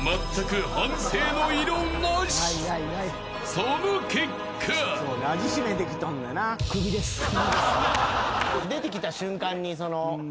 ［その結果］出てきた瞬間に。